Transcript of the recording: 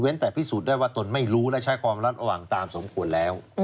แต่พิสูจน์ได้ว่าตนไม่รู้และใช้ความรัดระหว่างตามสมควรแล้ว